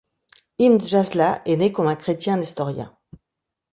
Ibn Jazla est né comme un chrétien nestorien.